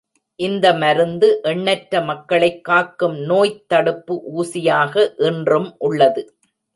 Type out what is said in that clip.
இந்த மருந்து எண்ணற்ற மக்களைக் காக்கும் நோய்த் தடுப்பு ஊசியாக இன்றும் உள்ளது.